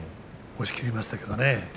押しきりましたけどね。